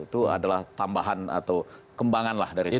itu adalah tambahan atau kembangan lah dari situ